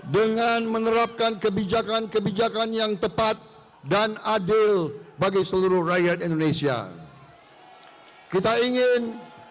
dengan menerapkan kebijakan kebijakan yang tepat dan adil bagi seluruh rakyat indonesia kita ingin